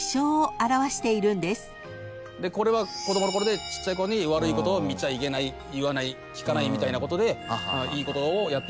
これは子供のころでちっちゃいころに悪いことを見ちゃいけない言わない聞かないみたいなことでいいことをやっていこうって話。